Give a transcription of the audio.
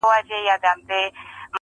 و خاوند لره پیدا یې ورک غمی سو،